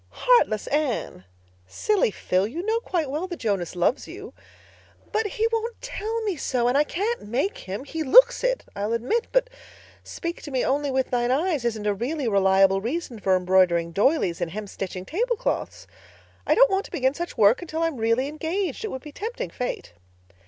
"Heartless Anne!" "Silly Phil! You know quite well that Jonas loves you." "But—he won't tell me so. And I can't make him. He looks it, I'll admit. But speak to me only with thine eyes isn't a really reliable reason for embroidering doilies and hemstitching tablecloths. I don't want to begin such work until I'm really engaged. It would be tempting Fate."